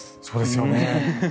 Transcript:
そうですよね。